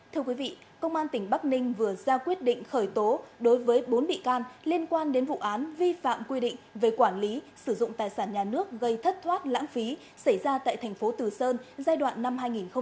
thưa quý vị công an tỉnh bắc ninh vừa ra quyết định khởi tố đối với bốn bị can liên quan đến vụ án vi phạm quy định về quản lý sử dụng tài sản nhà nước gây thất thoát lãng phí xảy ra tại thành phố từ sơn giai đoạn năm hai nghìn một mươi sáu hai nghìn một mươi tám